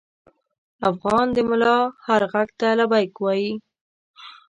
افغان د ملا هر غږ ته لبیک وايي.